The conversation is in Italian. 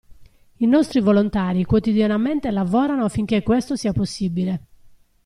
I nostri volontari quotidianamente lavorano affinché questo sia possibile.